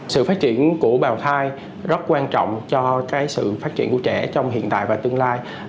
sự phát triển của bào thai rất quan trọng cho sự phát triển của trẻ trong hiện tại và tương lai